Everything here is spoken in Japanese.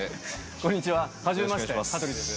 こんにちは、はじめまして、羽鳥です。